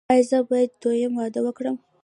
ایا زه باید دویم واده وکړم؟